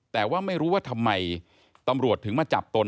แต่ว่าไม่รู้ว่าทำไมตำรวจถึงมาจับตน